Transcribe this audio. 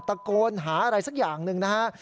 ตะโกนหาอะไรสักอย่างหนึ่งนะฮะ